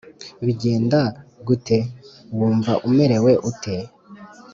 bigenda gute ? wumva umerewe ute ?